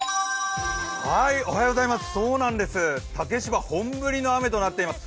そうなんです、竹芝、本降りの雨となっています。